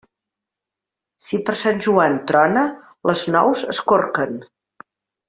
Si per Sant Joan trona, les nous es corquen.